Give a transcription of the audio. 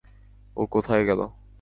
ও কোথায় গেল?